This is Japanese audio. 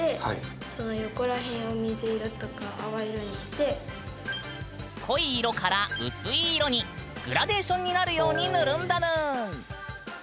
でだから濃い色から薄い色にグラデーションになるように塗るんだぬん。